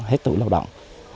hết tuổi lao động